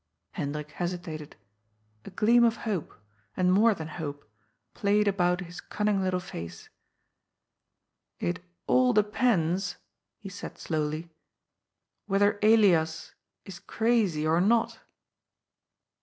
Hendrik hesitated. A gleam of hope, and more than hope, played about his cunning little face. " It all depends," he said slowly, " whether Elias is crazy or not."